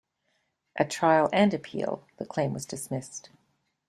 At trial and appeal the claim was dismissed.